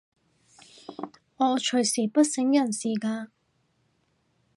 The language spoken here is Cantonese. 我隨時不省人事㗎